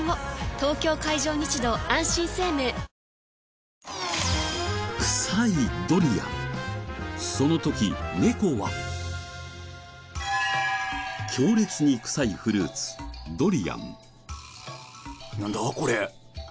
東京海上日動あんしん生命強烈に臭いフルーツドリアン。